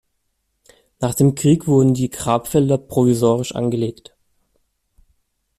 Nach dem Krieg wurden die Grabfelder provisorisch angelegt.